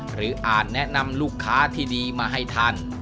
อาจแนะนำลูกค้าที่ดีมาให้ท่าน